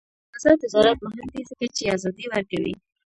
آزاد تجارت مهم دی ځکه چې ازادي ورکوي.